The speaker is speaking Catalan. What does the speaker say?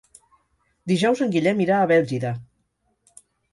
Dijous en Guillem irà a Bèlgida.